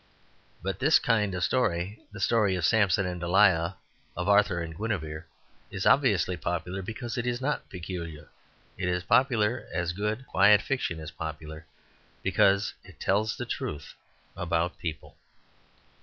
But this kind of story, the story of Samson and Delilah of Arthur and Guinevere, is obviously popular because it is not peculiar. It is popular as good, quiet fiction is popular, because it tells the truth about people.